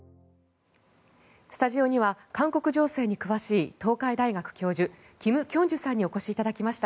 スタジオには韓国情勢に詳しい東海大学教授、金慶珠さんにお越しいただきました。